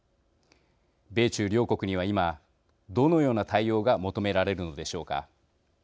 米中両国には今どのような対応が求められるのでしょうか。